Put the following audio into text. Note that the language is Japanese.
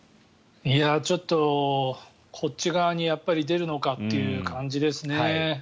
ちょっとこっち側に出るのかという感じですね。